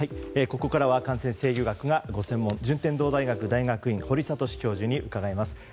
ここからは感染制御学がご専門、順天堂大学大学院の堀賢教授に伺います。